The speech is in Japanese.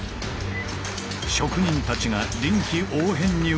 職人たちが臨機応変に動き